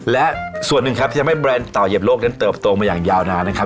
และส่วนหนึ่งครับที่ทำให้แบรนด์ต่อเหยียบโลกนั้นเติบโตมาอย่างยาวนานนะครับ